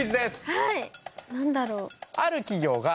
何だろう？